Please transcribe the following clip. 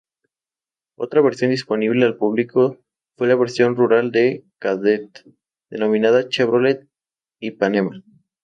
Otra versión disponible al público fue la versión rural del Kadett, denominada Chevrolet Ipanema.